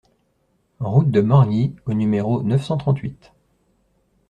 Route de Morgny au numéro neuf cent trente-huit